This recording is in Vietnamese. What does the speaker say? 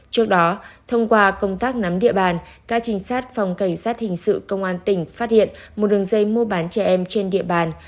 trước đó thông qua công tác nắm địa bàn các trinh sát phòng cảnh sát hình sự công an tỉnh phát hiện một đường dây mua bán trẻ em trên địa bàn